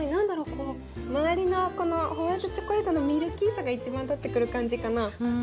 こう周りのこのホワイトチョコレートのミルキーさが一番立ってくる感じかな。